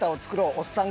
おっさん